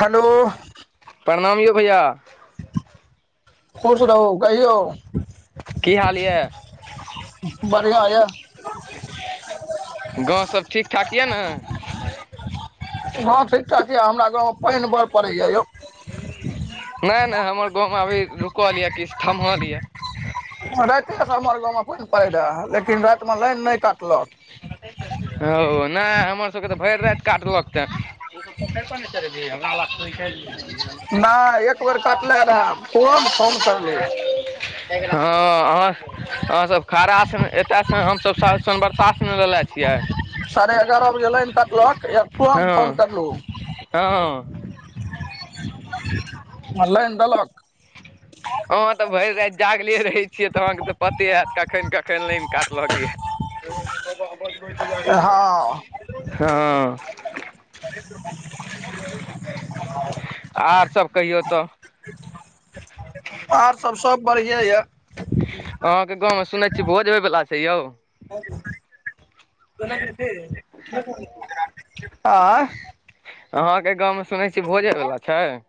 Hello. प्रणाम यौ भैया। खुश रहु कहियौ? की हाल यऽ बढ़िआँ यऽ गाँव सब ठीक ठाक यऽ ने हँ ठीक ठाक ये हमरा गाँवमें पानि बड़ पड़ैए यौ नैय नै हमर गाँव में अभी रुकल य किछ थम्हल य। रातिेसँ हमर गाँव में पानि पड़ैत रहे लेकिन राति में लाइन नहि काटलक। ओ नहि हमर सबके तऽ भरि राति काटलक ते तू सब पोखरि पर ने चल एबही हमरा लग [unintelligible] नाय एक बेर काटले रहे कोन फोन करलौ हँ अहाँ अहाँ सब खड़ासमें एत से हमसभ सरसनबरसा लेलेे छियै। साढ़े एगारह बजे लाइन कटलक एक हँ टोम फोन करलौ। हँ। आ लाइन देलक? [inaudible] अहाँ तऽ भरि राति जागले रहै छियै तऽ अहाँके तऽ पते हेएत कखैन कखैन लाइन काटलक यए हँ हँ। [inaudible] आर सब कहियौ तऽ आरसब सब बढ़िए यऽ अहाँके गाँवमें सुनैय छी भोज होइवला छैय यौ [inaudible] आँ अहाँके गाँवमें सुनैय छी भोजे वेला छैय।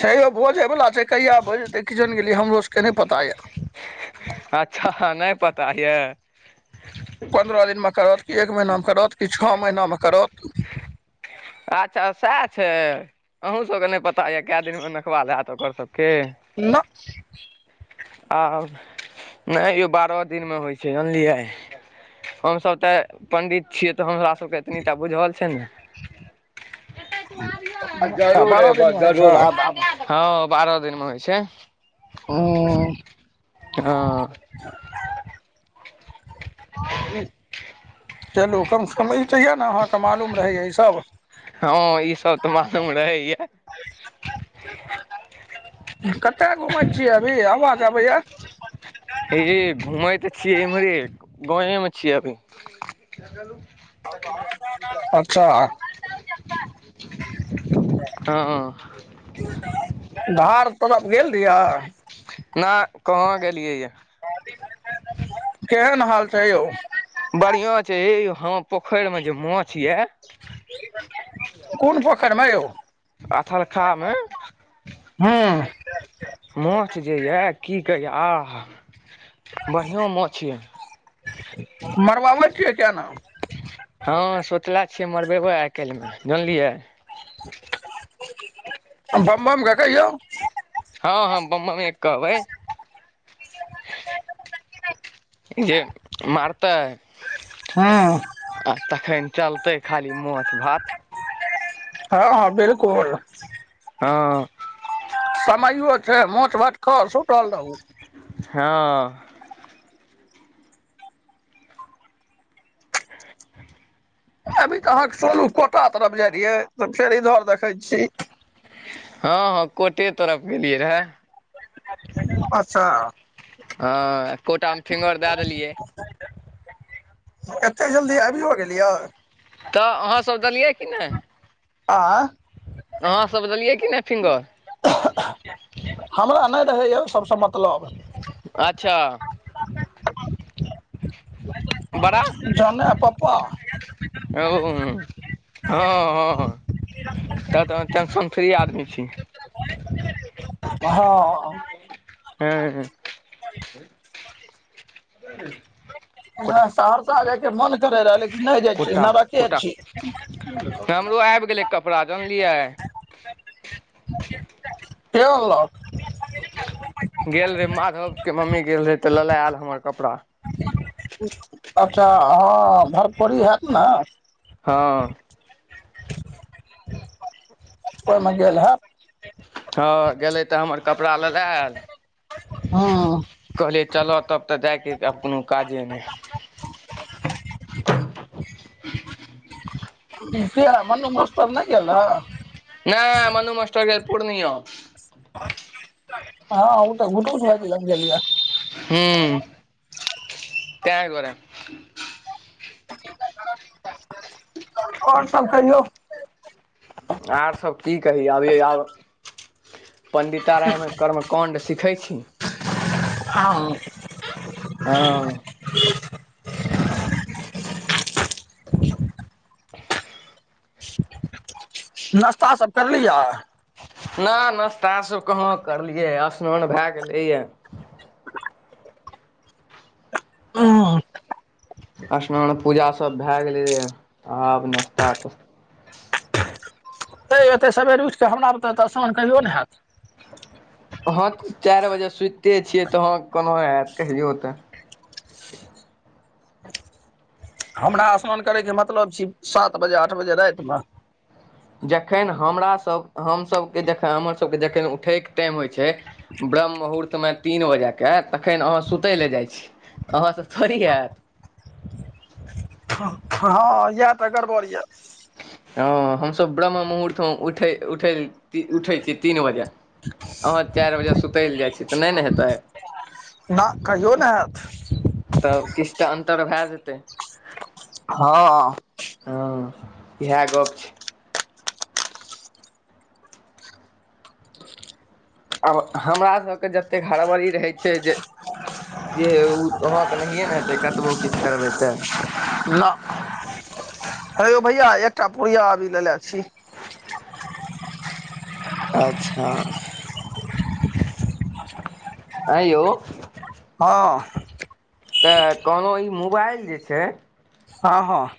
छै यौ बोजैवला छै कहिया बजतै कि जन गेलियै हमरो सबके नहि पता यऽ अच्छाह नहि पता यऽ पन्द्रह दिनमें करत कि एक महिनामें करत कि छह महिनामें करत अच्छा सएह छैय, अहूँ सबके नहि पता यऽ कए दिन में नखवाल हेत ओकर सबके ना आब नहि यौ बारह दिनमें होइ छैय जनलियै हमसभ तेऽ पंडित छियै तऽ हमरा सबके एतनीटा बुझल छै ने अच्छा बारह दिनमे होइ छै हँ बारह दिनमें होइ छै। उम्म हँ चलू कम सँ कम ई तऽ यए ने अहाँके मालूम रहैए ई सब हँ ई सब तऽ मालूम रहैए कतय घुमैय छियै अभी आवाज अबैये हे घुमय तऽ छियै एम्हरे गाँवें में छियै अभी अच्छा हँ। धार तरब गेल रियै? नैय कहाँ गेलियै य। केहेन हाल छैय यौ? बढ़ियां छै हे यौ हमऽ पोखरि में जे माछ य कोन पोखरिमें यौ? अथलखामे उम्म। माछ जे यऽ की कहैय आहा बढ़ियाँ माछ यऽ। मरबाबै छियै किये ने हँ सोचले छियै मरबेबै आइ काल्हिमें जनलियै बम बम लगैये। हँ हँ बम बमे कहबै। जेे मारतै हँ। आ तखैन चलतै खाली माछ भात। हँ हँ बिलकुल। हँ समैयो छै मौस भात खौ सुतल रहू। हँ। अभी तऽ अहाँके सोनू कोटा तरफ जाय रहियै तऽ फेर इधर देखै छी। हँ कोटे तरफ गेलियै रहे। अच्छा। हँ कोटामे फिंगर दए देलियै। एते जल्दी आबियो गेलियै। तऽ अहाँसभ देलियै कि नै। आंय। अहाँसभ देलियै की नै फिंगर। हमरा नै रहैए ओहि सभसँ मतलब। अच्छा। बड़ा, जनै पप्पा ओ हँ हँ। तखैन त टेंशन फ्री आदमी छी। हँ। हुं। सहरसा जायके मन करे रहै लेकिन नै जाइ छी कोटा नरके कोटा छी। हमरो आबि गेलै कपड़ा जनलियै। यौ। गेल रहे माधव के मम्मी गेल रहे तऽ लेने आयल हमर कपड़ा। अच्छा हँ भरफोरी हेत ने। हँ। ओहिमे गेल हेब। हँ गेलै तऽ हमर कपड़ा लेने आयल। हँ कहलिए चलह तब तऽ जायके आब कोनो काजे नहि। किये मनु मास्टर नहि गेल रहे। नै मनु मास्टर गेल पूर्णिया। हँ ओ तऽ घूटून भाइजी लग गेल रहे। हुं कैक बेरा। और सब कहियौ। आर सभ की कही अभि आब पण्डितारायमे कर्मकाण्ड सिखै छी। हँ। हँ। नास्ता सब कैर लिय। नै नाश्ता सब कहाँ करलियै स्नान भए गेलैये। [inaudible] हं। स्नान पूजा सभ भए गेलैये आब नास्ता तस्ता तैं एतेक सबेर उठ कऽ हमरा बते तऽ स्नान कहियो ने हैत। अहाँ तऽ चारि बजे सुतते छियै, तऽ अहाँ के कोना हैत कहियौ तऽ। हमरा स्नान करैके मतलब छी, सात बजे आठ बजे रातिमें। जखन हमरा सभ, हम सबके जखन हमर सबके जखन उठयके टाइम होइ छै ब्रम्ह मुहूर्त में तीन बजेके तखन अहाँ सुतय लए जाइ छी। आहां तऽ थोड़ी हैत। हँ इएह तऽ गड़बड़ यए। हँ हम-सब ब्रम्ह मुहर्त में उठै -उठै ई उठै छियै तीन बजे अहाँ चारि बजे सुतै लए जाइ छियै तऽ नहि ने हेतै। न कहियो नैह हैत। तब किछ तऽ अन्तर भए जेतै। हँ। हँ इएह गप छ आब हमरा सबके जतेक हड़बड़ी रहय छैक। जे ओ अहाँके नहिये ने हेतै कतबो किछु करबै तऽ। ला हे यौ भैया एकटा पुड़िया अभी लेने छी। अच्छा! ऐं यौ हँ। तऽ कहलहुँ ई मोबाइल जे छैय हँ -हँ।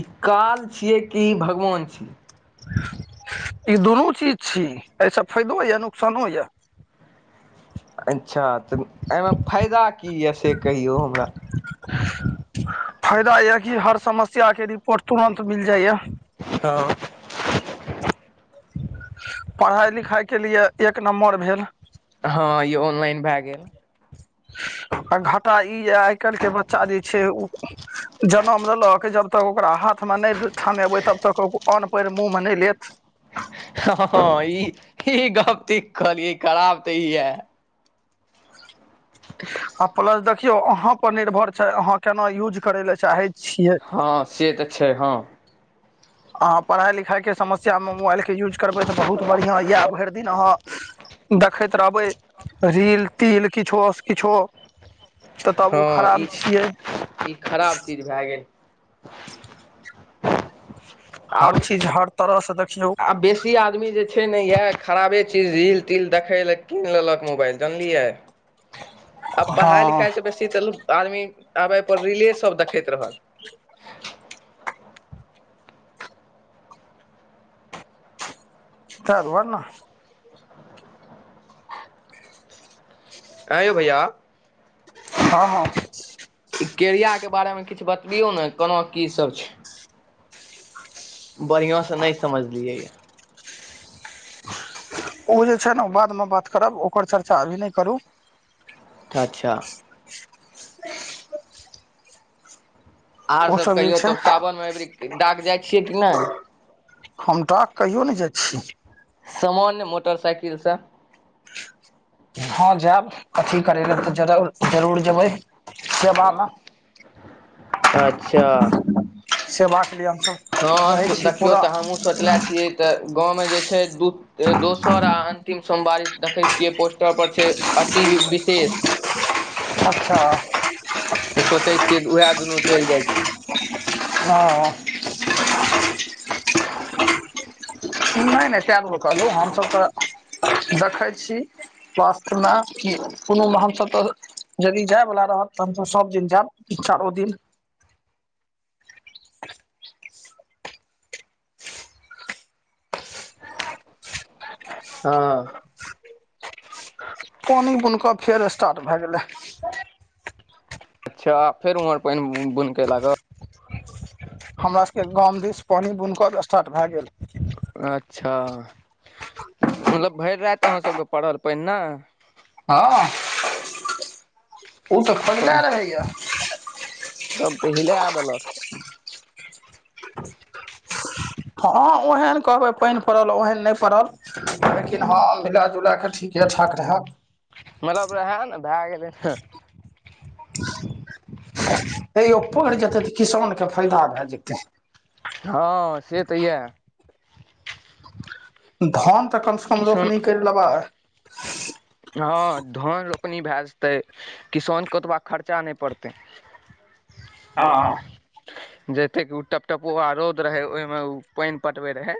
ई काल छियै कि भगवान छी। ई दुनू चीज छी, अहि से फायदो यऽ नुकसानो यऽ। अच्छा तऽ अहिमे फायदा की ये से कहियौ हमरा। फायदा ये कि हर समस्या के रिपोर्ट तुरन्त मिल जाय यऽ। हँ। पढ़ाय लिखाय के लेल एक नम्बर भेल। हँ ई ऑनलाइन भय गेल। आ घाटा ई ये आइ काल्हिके बच्चा जे छैय ओ जनम लेलक, जब तक ओकरा हाथ मे नहि थमेबै, तब तक ओ अन्न पानि मुँह मे नहि लेत। हँ-हँ -हँ ई गप्प ठीक कहलियै खराब तऽ ई यऽ। आ प्लस देखियौ अहाँ पर निर्भर छैय, अहाँ केना यूज करै ले चाहै छियै। हँ से तऽ छैय हँ। अहाँ पढ़ाय लिखाय के समस्या में मोबाइल के यूज करबै तऽ बहुत बढ़िया ये भरि दिन अहाँ देखैत रहबै रील तिल किछो से किछो। तऽ तब उ हँ खराब छियै। भय गेल। हर आब चीज हर तरह स देखियौ। आ बेसी आदमी जे छैय ने, इहे खराबे चीज रील तील देखै लय कीन लेलक मोबाइल जानलियै। आब हँ पढ़ाय लिखाय से बेसी तऽ आदमी आब अहि पर रीले सब देखैत रहत। करबऽ ना। ऐं यौ भैया हँ हँ ई केरिया के बारे मे किछु बतबियौ ने, कोना की सब छैय। बढ़ियाँ से नहि समझलियै। उ जे छैय ने बाद मे बात करब, ओकर चर्चा अभी नहि करू। अच्छा! आर ओ सब जे कहियौ, छै तब सावन मे एबरी डाक जाय छियै कि नहि। हम डाक कहियो नहि जाय छी। सामान्य मोटर साइकिल से। हँ जायब अथी करै ले तऽ जरू जरूर जेबै। सेवा में अच्छा सेवा के लिए अव हँ देखियौ तऽ हमहूँ सोचले छियै, तऽ गाँवमे जे छैय दू- दोसर आ तीन सोमवारी देखै छियै पोस्टर पर छैय अति विशेष। अच्छा तऽ सोचय छियै उहे दुनू चलि जाय छी। हँ। [inaudible] नहि नहि कयगो ने कहलियौ हम सब तऽ देखै छी स्वास्थ्य लय, कोनो हम सब तऽ जदि जाय बला रहत तऽ हमस सब दिन जायब चारो दिन। हँ। पानि बुनकक खेल स्टाट भैऽ गेलै। अच्छा फेर ऊमहर पाइन बुन केे लागल। हमरा सबके गाम दिस पानि बुन कऽ स्टाट भैऽ गेल। अच्छा मतलब भरि राति अहाँ सभके पड़ल पाइन ने। हँ ओ तऽ थोरबै रहैया। तब तऽ हिलै देलक। [inaudible] हँ ओहन कहबै पाइन पड़ल ओहन नै पड़ल। लेकिन हँ मिला जुला कऽ ठीके ठाक रहय। मतलब रहै ने, भैऽ गेलै। तैयो पैड़ जेतै तऽ किसान के फैदा भैऽ जेतै। हँ से तऽ यै। धान तऽ कमसँ कम किसान रोपनि कएर लेबय। हँ धान रोपनि भए जेतै। किसानकेँ ओतबा खर्चा नइ पड़तै। हँ। जतेक ओ टपटपउआ रौद रहय, ओइमे ओ पाइन पटबय रहय।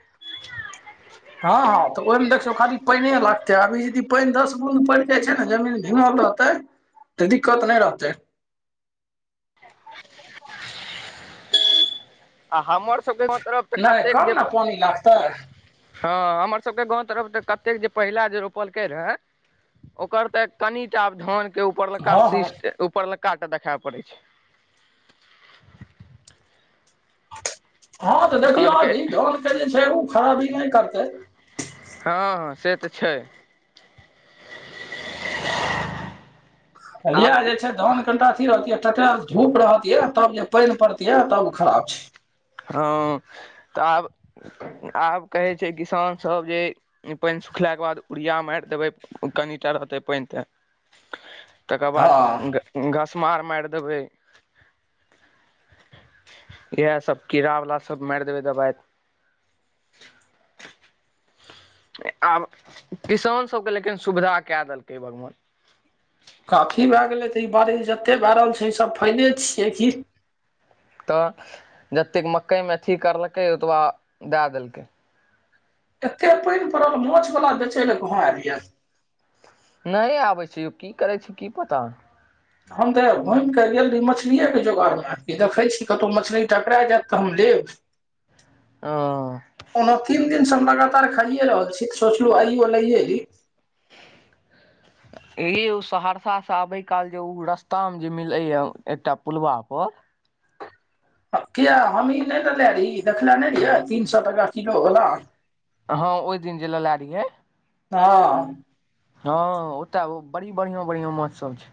हँ- हँ तऽ ओइमे देखियौ खाली पाइने लागतै, अभी यदि पाइन दस बुंद पैड जाइ छै ने, जमीन भींगल रह तै तऽ दिक्कत नय रहतै। आ हमर सबके गांव तरफ तऽ नहि कतेक जे कम ने प पानि लागतै हँ हमर सबके गाँव तरफ तऽ कतेक जे पहिला जे रोपलके रहै ओकर तऽ कनिटा आब धान के ऊपरलका हँ हँ सिस्ट ऊपरलका के देखा पड़य छै। हँ तऽ देखियौ कहलकै अभी धानके जे छै, ओ खराबी नय करतै। हँ से तऽ छै। यैह आब जे छै धन कनिटा अथी रहतिय तऽ टटैल धूप रहतिये तब जे, पाइन पड़तियै तब उ खराब छै। हँ तऽ आब - आब कहै छै किसान सभ जे ई पाइन सुखलाके बाद यूरिया माइर देबै, कनि टा रहतै पाइन तैन। तकर बाद हँ घस मार माइर देबै इएह सब। कीड़ा वाला सब माइर देबै दबाई। आब किसान सबके लेकिन सुविधा कै देलकै यै भगवान। काफी भए गेलै तऽ, ई बारिश जते भए रहल छै ई सब फैदे छियै की। तऽ जतेक मकय मे अथी करलकै ओतबा दए देलकै। एते पाइन पड़ल माछ बला बेचे लै कहाँ एल यै? नय आबै छै यौ, की करै छै की पता? हम तऽ घुइम कऽ गेल रही मछलिएके जोगारमे कि देखै छी कतौ मछली टकरा जैत तऽ हम लेब। आं ओना तीन दिनसे हम लगातार खाइए रहल छीयै, सोचलौं आइयौ लईयै ली। एहि उ सहरसा से आबे काल जे उ रस्तामे जे मिलै यै एकटा पुलवा पर किया हमही नै लेने रही देखनय नै रीहे तीन सौ टका किलो बला। अहां ओइ दिन जे लला रीहे हां। हां ओतय ओ बड़ी बढ़ियां-बढ़ियां माछ सब छै।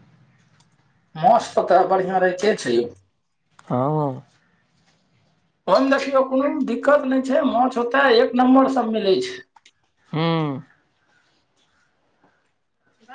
माँछ सब तऽ बढ़िया रहते छै यौ। हां। ओय मे देखियो कूनू दिक्कत नय छै, माछ ओतै एक नंबर सब मिलय छै। हूं।